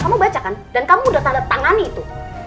kamu baca kan dan kamu udah tanda tangani itu